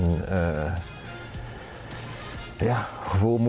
เธอจะบอกว่าเธอจะบอกว่า